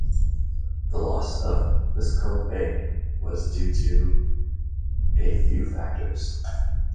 The loss of the "Liscome Bay" was due to a few factors.